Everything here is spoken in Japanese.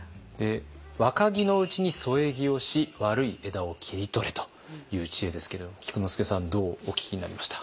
「若木のうちに添え木をし悪い枝を切り取れ」という知恵ですけれども菊之助さんどうお聞きになりました？